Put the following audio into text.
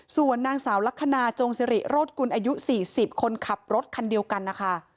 ส่วนนางสาวลักษณะจงสิริโรธกุลอายุ๔๐คนขับรถคันเดียวกันนะคะ